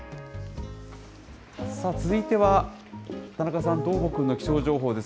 さあ、続いては、田中さん、どーもくんの気象情報です。